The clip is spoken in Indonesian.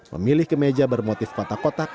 memilih kemeja bermotif kotak kotak